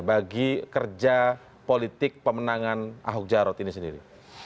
bagi kerja politik pemenangan ahok jarot ini sendiri